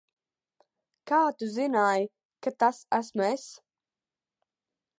Kā tu zināji, ka tas esmu es?